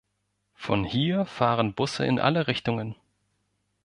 Von hier fahren Busse in alle Richtungen.